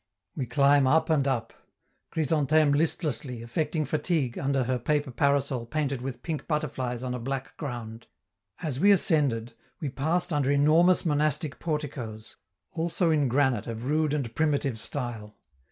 We climb up and up Chrysantheme listlessly, affecting fatigue, under her paper parasol painted with pink butterflies on a black ground. As we ascended, we passed under enormous monastic porticoes, also in granite of rude and primitive style.